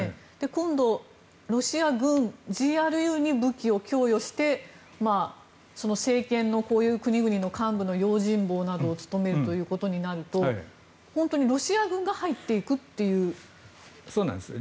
今度、ロシア軍、ＧＲＵに武器を供与してその政権のこういう国々の幹部の用心棒を務めるとなると本当にロシア軍が入っていくということになるということですか。